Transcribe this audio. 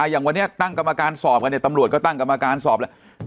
อย่างวันนี้ตั้งกรรมการสอบกันเนี่ยตำรวจก็ตั้งกรรมการสอบแล้ว